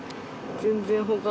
全然。